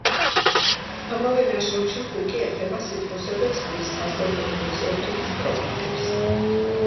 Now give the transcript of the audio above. ამავე ნაშრომში ჰუკი ეხება სითბოსა და წვის, ასტრონომიის, ოპტიკის პრობლემებს.